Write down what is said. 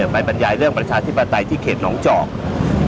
ไปบรรยายเรื่องประชาธิบาตรายในเขตนองเจาะ